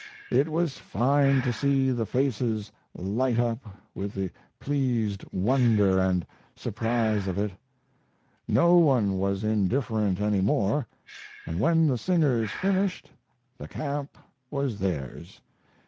It was fine to see the faces light up with the pleased wonder & surprise of it. No one was indifferent any more; & when the singers finished the camp was theirs.